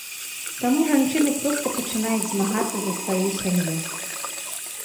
Таму жанчыны проста пачынаюць змагацца за сваю сям'ю.